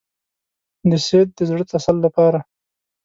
د سید د زړه تسل لپاره.